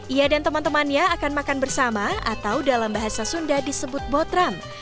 ia dan teman temannya akan makan bersama atau dalam bahasa sunda disebut botram